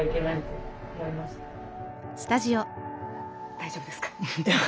大丈夫ですか？